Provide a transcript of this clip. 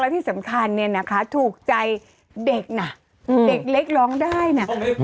ที่สำคัญเนี่ยนะคะถูกใจเด็กนะเด็กเล็กร้องได้นะ